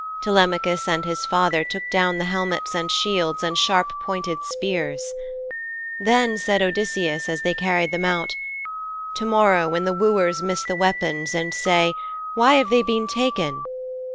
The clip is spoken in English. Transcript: Telemachus and his father took down the helmets and shields and sharp pointed spears. Then said Odysseus as they carried them out, 'To morrow, when the wooers miss the weapons and say, "Why have they been taken?"